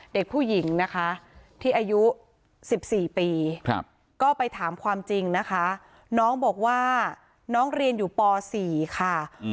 เด็กผู้หญิงนะคะที่อายุ๑๔ปีก็ไปถามความจริงนะคะน้องบอกว่าน้องเรียนอยู่ป๔ค่ะ